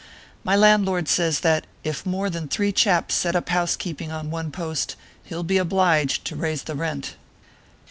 .My landlord says that, if more than three chaps set up housekeeping on one post, he ll be obliged to raise the rent.